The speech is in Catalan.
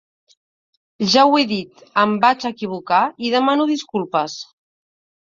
Ja ho he dit: em vaig equivocar i demano disculpes.